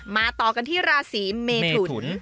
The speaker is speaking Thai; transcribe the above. ต่อกันที่ราศีเมทุน